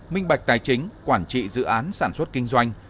minh bạch tài chính quản trị dự án sản xuất kinh doanh